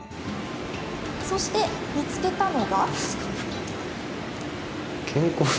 そして、見つけたのが。